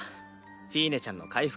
フィーネちゃんの回復